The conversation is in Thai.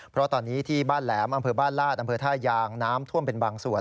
เพราะตอนนี้ที่บ้านแหลมอำเภอบ้านลาดอำเภอท่ายางน้ำท่วมเป็นบางส่วน